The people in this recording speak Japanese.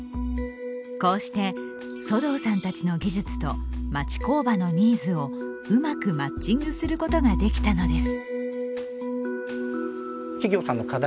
こうしてソドーさんたちの技術と町工場のニーズをうまくマッチングすることができたのです。